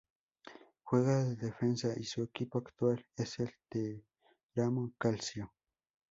Juega de defensa y su equipo actual es el Teramo Calcio.